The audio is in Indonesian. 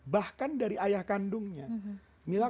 bahkan dari ayah kandungnya